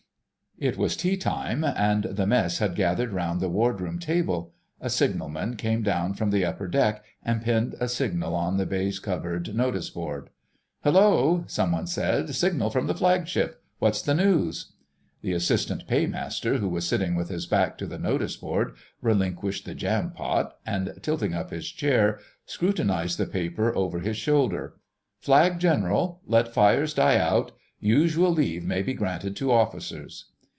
* It was tea time, and the Mess had gathered round the Wardroom table; a signalman came down from the upper deck and pinned a signal on the baize covered notice board. "Hullo," said some one, "signal from the Flagship! What's the news?" The Assistant Paymaster, who was sitting with his back to the notice board, relinquished the jam pot, and tilting up his chair, scrutinised the paper over his shoulder. "Flag General: Let fires die out. Usual leave may be granted to Officers."